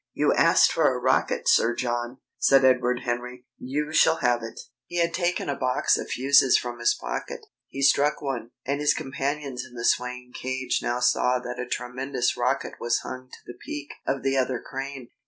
"You asked for a rocket, Sir John," said Edward Henry. "You shall have it." He had taken a box of fuses from his pocket. He struck one, and his companions in the swaying cage now saw that a tremendous rocket was hung to the peak of the other crane.